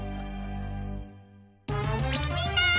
みんな！